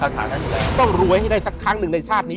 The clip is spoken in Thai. ต้องรวยให้ได้สักครั้งหนึ่งในชาตินี้